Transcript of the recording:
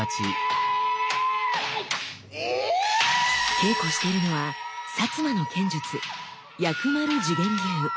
稽古しているのは摩の剣術「薬丸自顕流」。